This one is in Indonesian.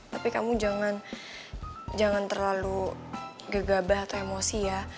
tapi kamu jangan terlalu gegabah atau emosi ya